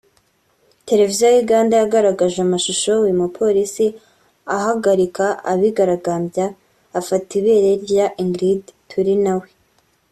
televiziyo ya Uganda yagaragaje amashusho uyu mupolisi ahagarika abigaragambya afata ibere rya Ingrid Turinawe